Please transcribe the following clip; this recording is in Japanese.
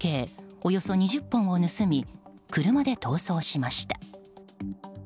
およそ２０本を盗み車で逃走しました。